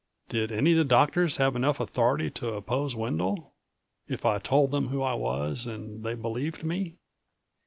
Did any of the doctors have enough authority to oppose Wendel, if I told them who I was and they believed me.